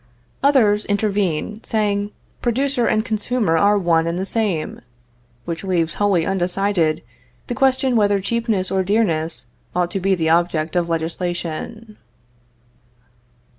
Others intervene, saying, producer and consumer are one and the same, which leaves wholly undecided the question whether cheapness or dearness ought to be the object of legislation.